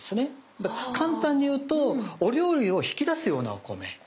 簡単に言うとお料理を引き出すようなお米。